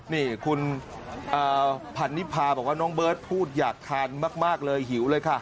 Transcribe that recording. นี่คุณพันนิพาบอกว่าน้องเบิร์ตพูดอยากทานมากเลยหิวเลยค่ะ